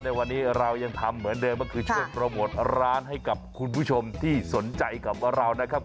ในวันนี้เรายังทำเหมือนเดิมก็คือช่วยโปรโมทร้านให้กับคุณผู้ชมที่สนใจกับเรานะครับ